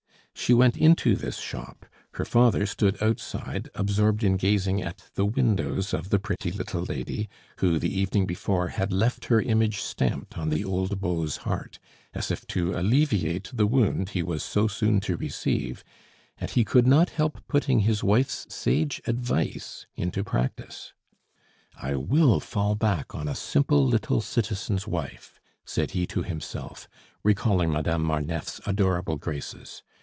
She went into this shop; her father stood outside, absorbed in gazing at the windows of the pretty little lady, who, the evening before, had left her image stamped on the old beau's heart, as if to alleviate the wound he was so soon to receive; and he could not help putting his wife's sage advice into practice. "I will fall back on a simple little citizen's wife," said he to himself, recalling Madame Marneffe's adorable graces.